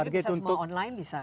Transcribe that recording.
jadi bisa semua online bisa